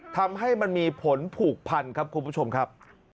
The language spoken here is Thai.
ทำให้มันมีผลผูกพันครับคุณผู้ชมครับ